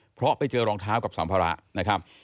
เพราะไปเจอรองเท้ากับสัมภาระนะครับ